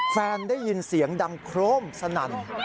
แฟนได้ยินเสียงดังโครมสนั่น